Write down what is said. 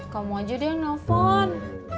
kamu aja deh yang nelfon